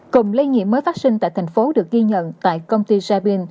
cùng lây nhiễm mới phát sinh tại thành phố được ghi nhận tại công ty saibien